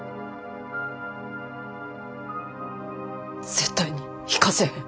絶対に行かせへん。